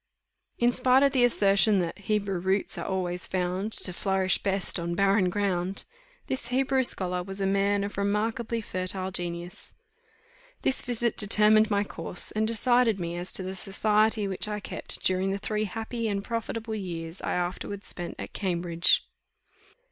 In despite of the assertion, that " Hebrew roots are always found To flourish best on barren ground," this Hebrew scholar was a man of a remarkably fertile genius. This visit determined my course, and decided me as to the society which I kept during the three happy and profitable years I afterwards spent at Cambridge.